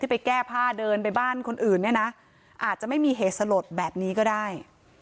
ไปแก้ผ้าเดินไปบ้านคนอื่นเนี่ยนะอาจจะไม่มีเหตุสลดแบบนี้ก็ได้